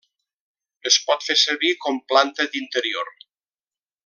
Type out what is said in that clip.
Es pot fer servir com planta d'interior.